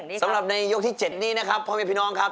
สำหรับในยกที่๗นี้นะครับพ่อแม่พี่น้องครับ